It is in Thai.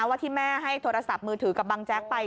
ว่าที่แม่ให้โทรศัพท์มือถือกับบังแจ๊กไป